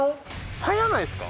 早ないっすか？